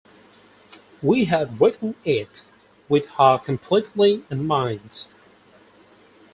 We had written it with her completely in mind.